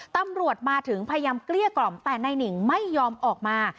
ตำรวจมาถึงพยายามเกลี้ยกล่อมแต่นายหนิ่งไม่ยอมออกมา